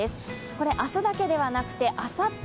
これ明日だけではなくてあさって